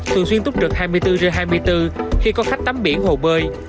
thường xuyên túc trực hai mươi bốn trên hai mươi bốn khi có khách tắm biển hồ bơi